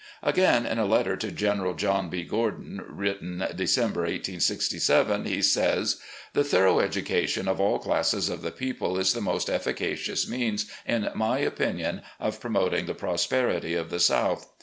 .. Again, in a letter to General John B. Gordon, written December, 1867, he says: THE IDOL OP THE SOUTH 211 "The thorough education of all classes of the people is the most efficacious means, in my opinion, of promoting the prosperity of the South.